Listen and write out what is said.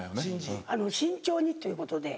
慎重にということで。